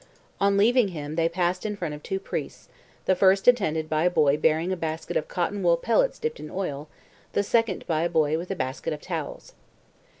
On leaving him they passed in front of two priests, the first attended by a boy bearing a basket of cotton wool pellets dipped in oil, the second by a boy with a basket of towels.